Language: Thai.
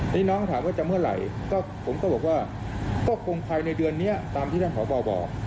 นี่น้องถามว่าจะเมื่อไหร่ก็ผมก็บอกว่าก็คงภายในเดือนนี้ตามที่ท่านพบบอก